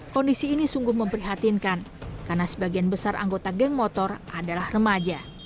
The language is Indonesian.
kondisi ini sungguh memprihatinkan karena sebagian besar anggota geng motor adalah remaja